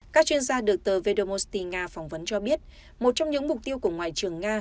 các chuyên gia được tờ vedomosti nga phỏng vấn cho biết một trong những mục tiêu của ngoại trưởng nga